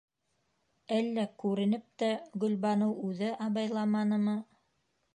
Әллә күренеп тә Гөлбаныу үҙе абайламанымы?